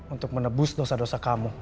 untuk menebus dosa dosa kamu